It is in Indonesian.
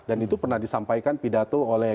dan itu pernah disampaikan pidato oleh